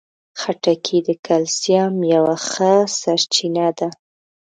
خټکی د کلسیم یوه ښه سرچینه ده.